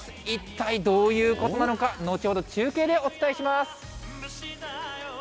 一体どういうことなのか、後ほど中継でお伝えします。